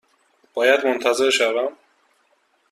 باید منتظر شوم؟